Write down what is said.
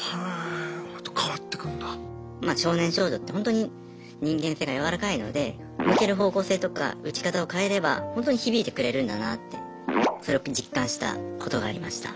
まあ少年少女ってほんとに人間性が柔らかいので向ける方向性とか打ち方を変えればほんとに響いてくれるんだなってそれを実感したことがありました。